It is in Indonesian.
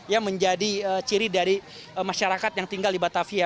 yang menjadi ciri dari masyarakat yang tinggal di batavia